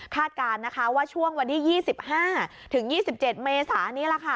คาดการณ์ว่าช่วงวันที่๒๕๒๗เมษานี้